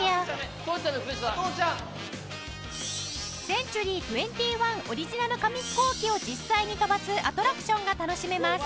センチュリー２１オリジナル紙ヒコーキを実際に飛ばすアトラクションが楽しめます